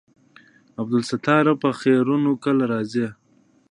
عبدالستاره په خيرونه کله رالې.